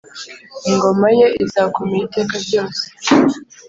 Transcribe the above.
ingoma ye izakomera iteka ryose